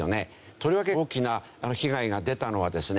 とりわけ大きな被害が出たのはですね